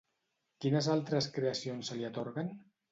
Quines altres creacions se li atorguen?